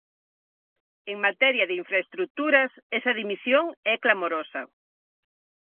En materia de infraestruturas, esta dimisión é clamorosa.